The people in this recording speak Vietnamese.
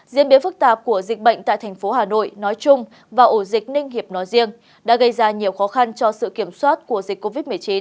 diễn biến phức tạp của dịch bệnh tại thành phố hà nội nói chung và ổ dịch ninh hiệp nói riêng đã gây ra nhiều khó khăn cho sự kiểm soát của dịch covid một mươi chín